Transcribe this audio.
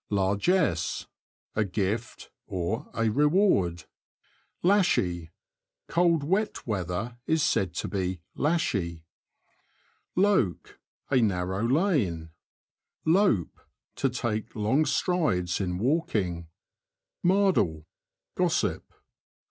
Largesse. — A gift, a reward. Lashy. — Cold wet weather is said to be ''lashy." LOKE. — A narrow lane. Lope. — To take long strides in walking. Mardle. — Gossip.